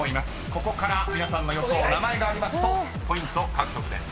［ここから皆さんの予想名前がありますとポイント獲得です］